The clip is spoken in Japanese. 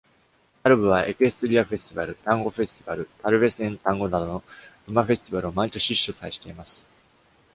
タルブは、Equestria フェスティバル、Tango フェスティバル、Tarbes en Tango などの馬フェスティバルを毎年主催しています。